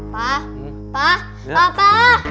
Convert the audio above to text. pak pak papa